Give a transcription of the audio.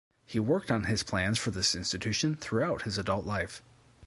He worked on his plans for this institution throughout his adult life.